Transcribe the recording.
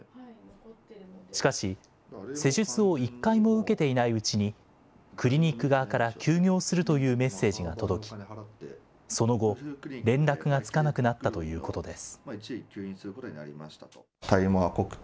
しかし、施術を１回も受けていないうちに、クリニック側から休業するというメッセージが届き、その後、連絡がつかなくなったということです。